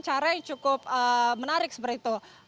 cara yang cukup menarik seperti itu